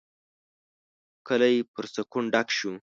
کلی پر سکون ډک شو.